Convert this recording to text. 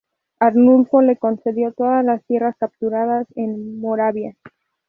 Arnulfo le concedió todas las tierras capturadas en Moravia.